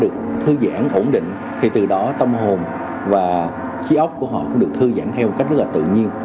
được thư giãn ổn định thì từ đó tâm hồn và chiếc ốc của họ cũng được thư giãn theo cách rất là tự nhiên